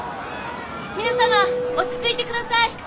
皆さま落ち着いてください！